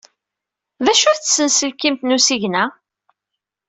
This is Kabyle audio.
D acu-t tsenselkimt n usigna?